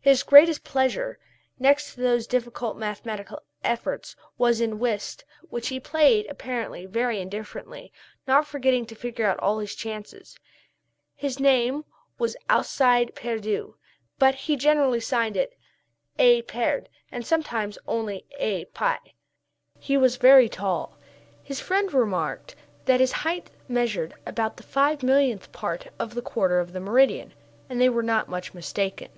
His greatest pleasure, next to these difficult mathematical efforts, was in "whist," which he played apparently very indifferently, not forgetting to figure out all his chances. His name was Alcide Pierdeux, but he generally signed it, A. Pierd, and sometimes only A. Pie. He was very tall. His friends remarked that his height measured about the five millionth part of the quarter of the meridian, and they were not much mistaken.